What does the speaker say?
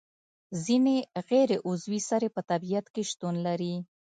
ځینې غیر عضوي سرې په طبیعت کې شتون لري.